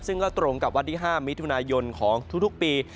ซึ่งก็ตรงกับวันที่๕มิถุนายนของทุกปี